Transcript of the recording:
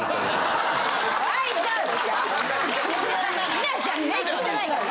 稲ちゃんメイクしてないから。